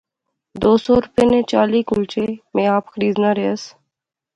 دو سو روپے نے چالی کلچے میں آپ خریزنا ریاس